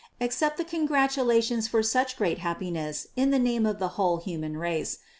Accept the congratulations for such great happiness in the name of the whole human race.